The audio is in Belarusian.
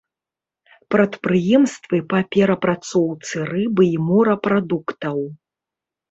Прадпрыемствы па перапрацоўцы рыбы і морапрадуктаў.